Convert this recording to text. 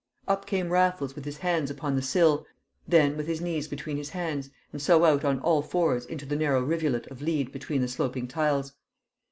Up came Raffles with his hands upon the sill, then with his knees between his hands, and so out on all fours into the narrow rivulet of lead between the sloping tiles.